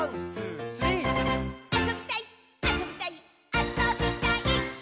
あそびたいっ！」